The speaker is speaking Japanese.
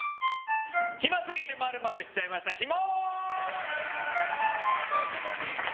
暇すぎて○○しちゃいました暇王！